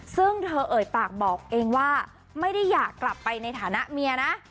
ซึ่งเธอเอ่ยปากบอกเองว่าไม่ได้อยากกลับไปในฐานะเมียนะ